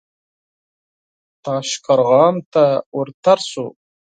تاشقرغان ته ور تېر شو.